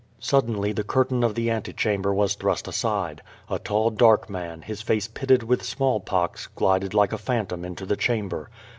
Suddenly the curtain of the ante chamber was thrust aside. A tall dark man, his face pitted with small pox, glided like a phantom into the chamber.